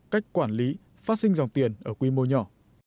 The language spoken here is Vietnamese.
cách quản lý phát sinh dòng tiền ở quy mô nhỏ